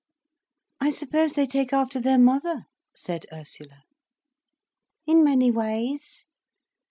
"I suppose they take after their mother?" said Ursula. "In many ways."